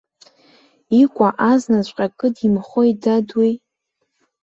Икәа азнаҵәҟьа кыдимхуеи, дад, уи.